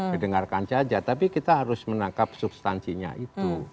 didengarkan saja tapi kita harus menangkap substansinya itu